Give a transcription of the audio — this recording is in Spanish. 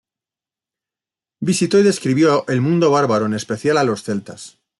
Visitó y describió el mundo bárbaro, en especial a los celtas.